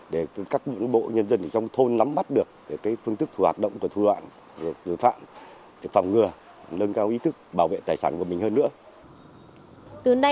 để các bộ nhân dân trong thôn nắm bắt được phương thức thủ hoạt động của thủ đoạn tội phạm để phòng ngừa nâng cao ý thức bảo vệ tài sản của mình hơn nữa